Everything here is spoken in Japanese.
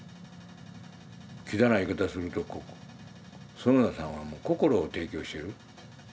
きざな言い方すると園田さんはもう心を提供してる。